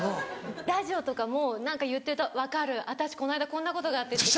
ラジオとかも何か言ってると「分かる私この間こんなことがあって」って。